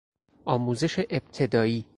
آموزش ابتدایی